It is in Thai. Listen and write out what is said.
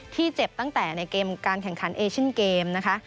ที่เจ็บตั้งแต่ในการแข่งขันเอเชนเกมนะคะ